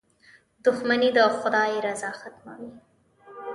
• دښمني د خدای رضا ختموي.